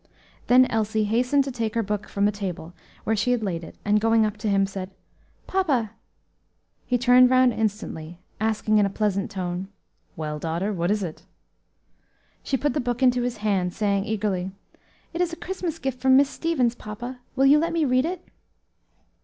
Then Elsie hastened to take her book from a table, where she had laid it, and going up to him, said, "Papa!" He turned round instantly, asking in a pleasant tone, "Well, daughter, what is it?" She put the book into his hand, saying eagerly, "It is a Christmas gift from Miss Stevens, papa; will you let me read it?"